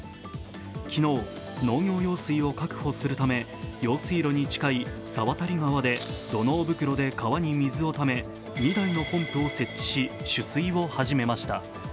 昨日、農業用水を確保するため、用水路に近い猿渡川で土のう袋で川に水をため、２台のポンプを設置し、取水を始めました。